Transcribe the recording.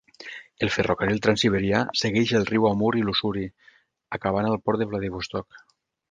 El ferrocarril transsiberià segueix el riu Amur i l'Ussuri acabant al port de Vladivostok.